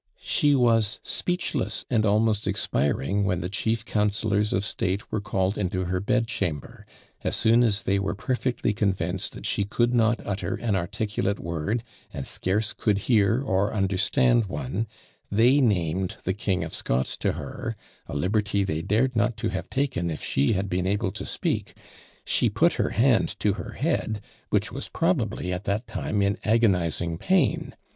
"She was speechless, and almost expiring, when the chief councillors of state were called into her bedchamber. As soon as they were perfectly convinced that she could not utter an articulate word, and scarce could hear or understand one, they named the King of Scots to her, a liberty they dared not to have taken if she had been able to speak; she put her hand to her head, which was probably at that time in agonising pain.